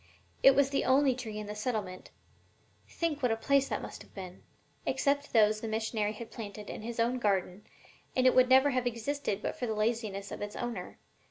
It was the only tree in the settlement think what a place that must have been! except those the missionary had planted in his own garden, and it would never have existed but for the laziness of its owner.